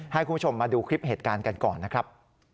ให้คุณผู้ชมมาดูคลิปเหตุการณ์กันก่อนนะครับ